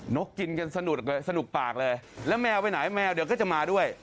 นกกินกันสนุกปากเลยแล้วแมวไปไหนแมวเดี๋ยวก็จะมาด้วย